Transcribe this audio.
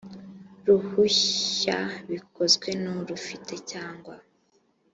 ruhushya bikozwe n urufite cyangwa